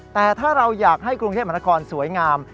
แต่ถ้าเราอยากให้กรุงเทพมหานครสวยงาม